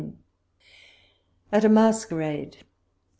AT A MASQUERADE.